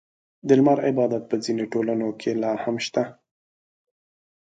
• د لمر عبادت په ځینو ټولنو کې لا هم شته.